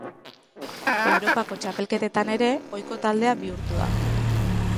Europako txapelketetan ere ohiko taldea bihurtu da.